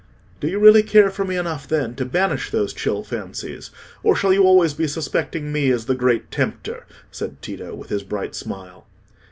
"Do you really care for me enough, then, to banish those chill fancies, or shall you always be suspecting me as the Great Tempter?" said Tito, with his bright smile.